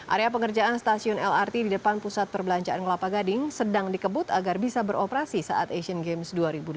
area pengerjaan stasiun lrt di depan pusat perbelanjaan kelapa gading sedang dikebut agar bisa beroperasi saat asian games dua ribu delapan belas